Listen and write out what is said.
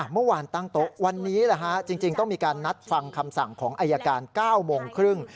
เมื่อวานตั้งโต๊ะวันนี้จริงต้องมีการนัดฟังคำสั่งของอายการ๙โมงครึ่ง